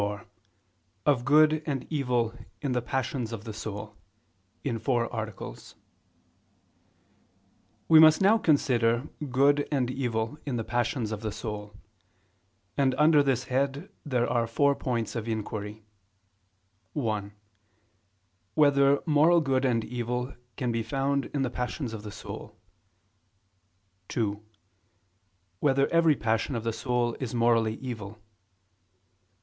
________________________ QUESTION 24 OF GOOD AND EVIL IN THE PASSIONS OF THE SOUL (In Four Articles) We must now consider good and evil in the passions of the soul: and under this head there are four points of inquiry: (1) Whether moral good and evil can be found in the passions of the soul? (2) Whether every passion of the soul is morally evil?